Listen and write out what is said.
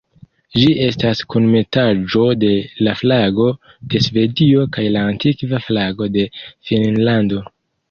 Ĝi estas kunmetaĵo de la flago de Svedio kaj la antikva flago de Finnlando.